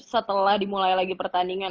setelah dimulai lagi pertandingan